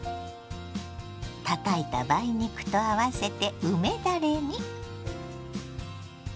たたいた梅肉と合わせて梅だれに。